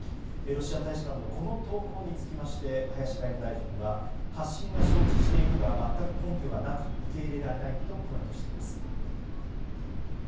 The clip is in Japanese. ロシア大使館のこの投稿について林外務大臣は発信は承知しているが全く根拠がなく受け入れられないとコメントしています。